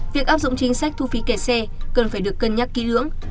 việc áp dụng chính sách thu phí kẻ xe cần phải được cân nhắc kỹ lưỡng